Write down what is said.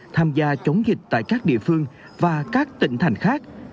tham gia chống dịch tại các địa phương và các tỉnh thành khác